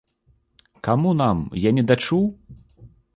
Каму нам, я недачуў?